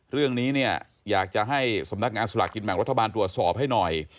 เรื่องนี้เนี่ยอยากจะให้สำนักงานสลากกินแบ่งรัฐบาลตรวจสอบให้หน่อย